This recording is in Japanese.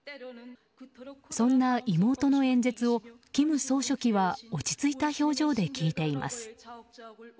そんな妹の演説を金総書記は落ち着いた表情で聞いています。